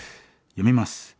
読みます。